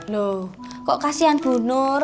loh kok kasian bunur